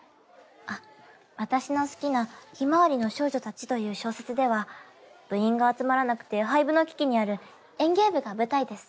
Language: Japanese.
あっ私の好きな「ひまわりの少女たち」という小説では部員が集まらなくて廃部の危機にある園芸部が舞台です。